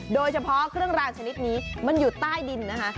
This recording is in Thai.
โดยเฉพาะเครื่องรางชนิดนี้มันอยู่ใต้ดินนะคะ